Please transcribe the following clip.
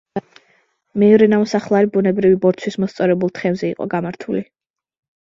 მეორე ნამოსახლარი ბუნებრივი ბორცვის მოსწორებულ თხემზე იყო გამართული.